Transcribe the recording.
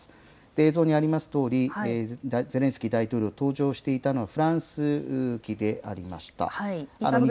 映像にありますとおり、ゼレンスキー大統領、搭乗していたのはフランス機でありました。